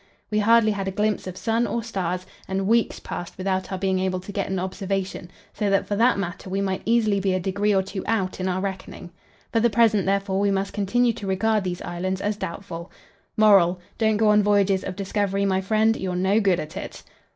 We hardly had a glimpse of sun or stars, and weeks passed without our being able to get an observation, so that for that matter we might easily be a degree or two out in our reckoning. For the present, therefore, we must continue to regard these islands as doubtful. Moral: Don't go on voyages of discovery, my friend; you're no good at it!